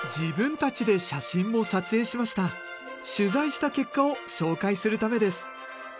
取材した結果を紹介するためです。